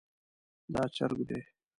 دا چرګ دی